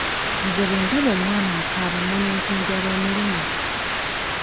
Nze bwe ndaba omwana akaaba mmanya nti enjala emuluma.